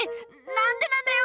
なんでなんだよ！